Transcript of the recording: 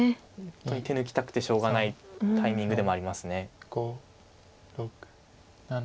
本当に手抜きたくてしょうがないタイミングでもあります。